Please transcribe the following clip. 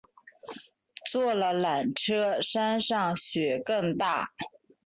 坐了缆车山上雪更大